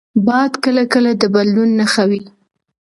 باد کله کله د بدلون نښه وي